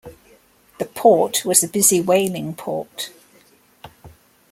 The port was a busy whaling port.